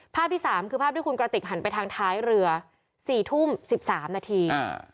ภาพที่สามคือภาพที่คุณกระติกหันไปทางท้ายเรือ๔ทุ่ม๑๓นาที